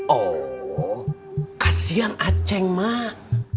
oh kasihan aceh mak